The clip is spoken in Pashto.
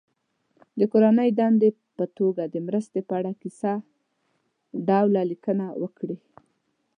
د کورنۍ دندې په توګه د مرستې په اړه کیسه ډوله لیکنه وکړي.